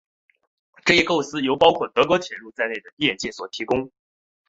这一构思是由包括德国铁路在内的业界所提供。